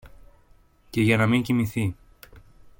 και για να μην κοιμηθεί